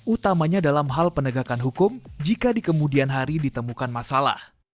utamanya dalam hal penegakan hukum jika di kemudian hari ditemukan masalah